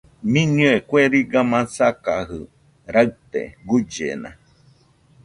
Mɨnɨe kue riga masakajɨ raɨte, guillena